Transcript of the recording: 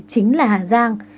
chính là hà giang